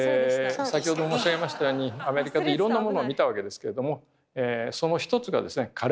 先ほども申し上げましたようにアメリカでいろんなものを見たわけですけれどもその一つがですね「カレッジエール」というものでした。